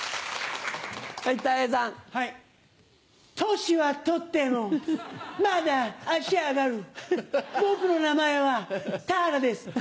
年はとってもまだ脚上がる僕の名前は田原ですポ！